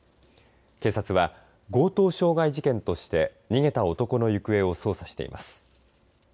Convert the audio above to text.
警察は強盗傷害事件として逃げた男の行方を捜査しています。